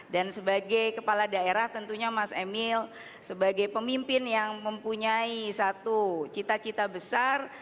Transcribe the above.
dan sebagai kepala daerah tentunya mas emil sebagai pemimpin yang mempunyai satu cita cita besar